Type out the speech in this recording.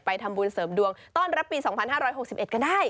ทำบุญเสริมดวงต้อนรับปี๒๕๖๑ก็ได้